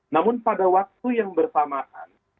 namun pada waktu yang bersamaan